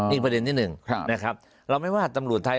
อีกประเด็นที่หนึ่งนะครับเราไม่ว่าตำรวจไทย